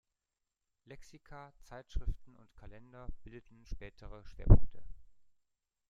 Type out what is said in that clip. Lexika, Zeitschriften und Kalender bildeten spätere Schwerpunkte.